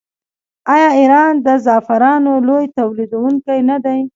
آیا ایران د زعفرانو لوی تولیدونکی نه دی؟